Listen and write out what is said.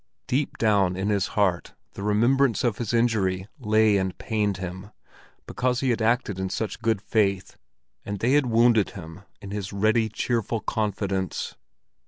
Deep down in his heart the remembrance of his injury lay and pained him, because he had acted in such good faith, and they had wounded him in his ready, cheerful confidence.